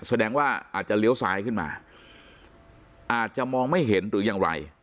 แสดงว่าอาจจะเลี้ยวซ้ายขึ้นมาอาจจะมองไม่เห็นหรือยังไร